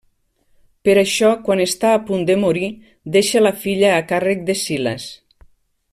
Per això quan està a punt de morir deixa la filla a càrrec de Silas.